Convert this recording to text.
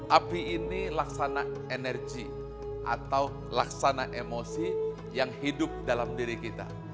api ini laksana energi atau laksana emosi yang hidup dalam diri kita